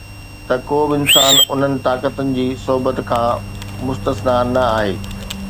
ته ڪو به انسان انهن طاقتن جي صحبت کان مستثنيٰ نه آهي